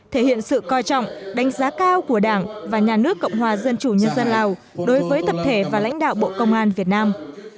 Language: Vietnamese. thể hiện sự coi trọng đánh giá cao của đảng và nhà nước cộng hòa dân chủ nhân dân lào đối với tập thể và lãnh đạo bộ công an việt nam